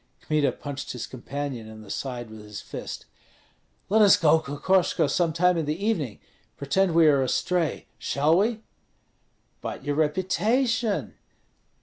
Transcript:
Kmita punched his companion in the side with his fist. "Let us go, Kokoshko, some time in the evening, pretend we are astray, shall we?" "But your reputation?"